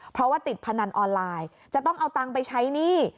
เพราะว่าติดพนันออนไลน์จะต้องเอาตังค์ไปใช้หนี้